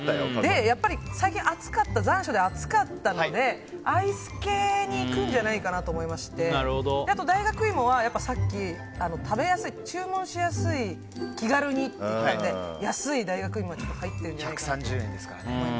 やっぱり最近残暑で暑かったのでアイス系に行くんじゃないかなと思いまして、大学いもは注文しやすい気軽にって言ってたので安い大学いもが入ってるんじゃないかと。